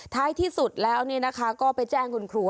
ท้ายที่สุดแล้วก็ไปแจ้งคุณครู